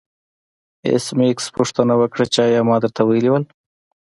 ایس میکس پوښتنه وکړه چې ایا ما درته ویلي وو